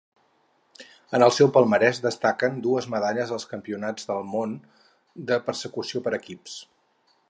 En el seu palmarès destaquen dues medalles als Campionats del món de persecució per equips.